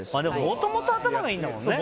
もともと頭がいいんだもんね。